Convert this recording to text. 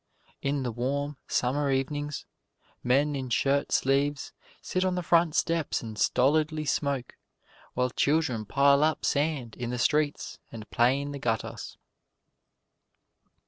In the warm, Summer evenings, men in shirt sleeves sit on the front steps and stolidly smoke, while children pile up sand in the streets and play in the gutters.